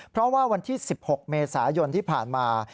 เพราะว่าวันที่๑๖เมษายนที่ผ่านมา